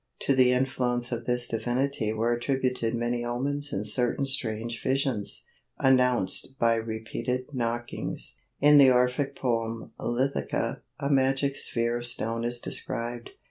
To the influence of this divinity were attributed many omens and certain strange visions, announced by repeated knockings. In the Orphic poem "Lithica," a magic sphere of stone is described.